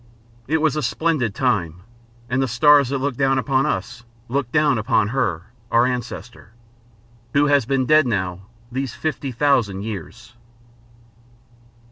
It was a splendid time, and the stars that look down on us looked down on her, our ancestor who has been dead now these fifty thousand years.